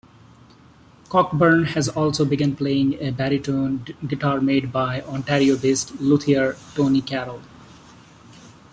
Cockburn has also begun playing a baritone guitar made by Ontario-based luthier Tony Karol.